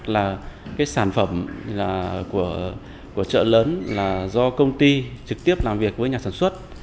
là sản phẩm của trợ lớn do công ty trực tiếp làm việc với nhà sản xuất